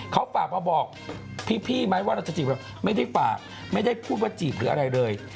เขาฝากมาบอกพี่ไหมว่าเราจะจีบเราไม่ได้ฝากไม่ได้พูดว่าจีบหรืออะไรเลย